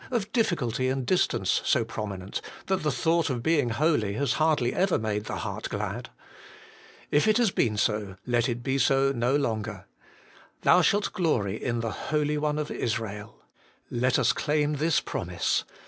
191 of difficulty and distance so prominent, that the thought of being holy has hardly ever made the heart glad ? If it has been so, let it be so no longer. ' Thou shalt glory in the Holy One of Israel :' let us claim this promise.